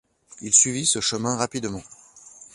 Il suivit ce chemin rapidement.